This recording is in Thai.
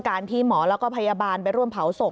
ที่หมอแล้วก็พยาบาลไปร่วมเผาศพ